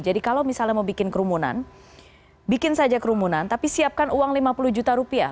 jadi kalau misalnya mau bikin kerumunan bikin saja kerumunan tapi siapkan uang lima puluh juta rupiah